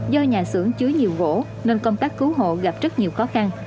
do nhà xưởng chứa nhiều gỗ nên công tác cứu hộ gặp rất nhiều khó khăn